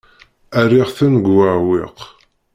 Rriɣ-ten deg uɛewwiq.